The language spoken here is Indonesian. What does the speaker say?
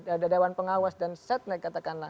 ada dawan pengawas dan set naik katakanlah